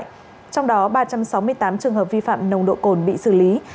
trong đó ba trăm sáu mươi tám trường hợp vi phạm nồng độ cồn bị xử lý